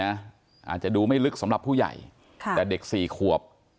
อาจจะดูไม่ลึกสำหรับผู้ใหญ่ค่ะแต่เด็กสี่ขวบ